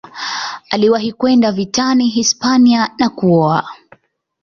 Aliwahi kwenda vitani Hispania na kuoa.